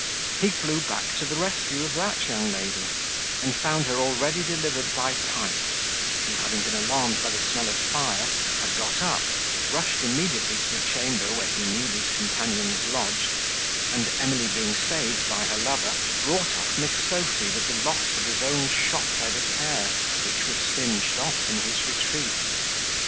he flew back to the rescue of that young lady, and found her already delivered by Pipes, who having been alarmed by the smell of fire, had got up, rushed immediately to the chamber where he knew these companions lodged, and Emily being saved by her lover brought off Miss Sophy with the loss of his own shock head of hair, which was singed off in his retreat.